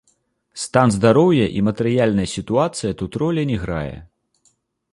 Стан здароўя і матэрыяльная сітуацыя тут ролі не грае.